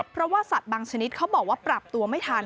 เพราะว่าสัตว์บางชนิดเขาบอกว่าปรับตัวไม่ทัน